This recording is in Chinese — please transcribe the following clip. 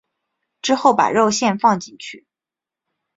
之后把肉馅放进去。